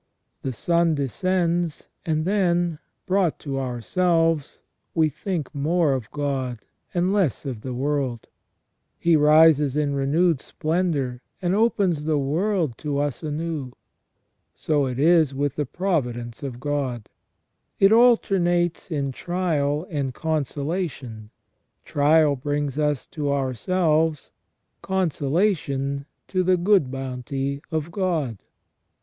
The sun descends, and then, brought to ourselves, we think more of God and less of the world ; he rises in renewed splendour and opens the world to us anew. So it is with the providence of God : CUE A TION AND PRO VIDENCE. i o i it alternates in trial and consolation ; trial brings us to ourselves, consolation to the good bounty of God.